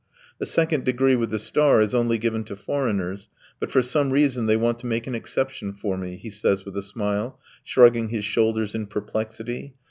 The second degree with the star is only given to foreigners, but for some reason they want to make an exception for me," he says with a smile, shrugging his shoulders in perplexity.